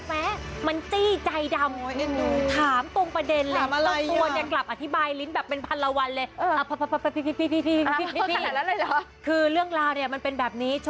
แม้มันจี้ใจดำถามตรงประเด็นเลย